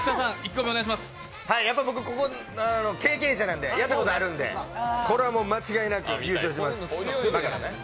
やっぱり僕、経験者なのでやったことあるんでこれはもう、間違いなく優勝します